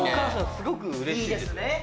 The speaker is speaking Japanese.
すごくうれしいです。